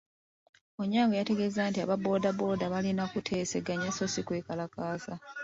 Onyango yategeezezza nti aba boda boda balina kuteeseganya so si sikwekalakaasa.